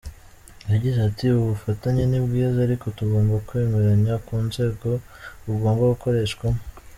Yagize ati “Ubu bufatanye ni bwiza ariko tugomba kwemeranya ku nzego bugomba gukoreshwamo.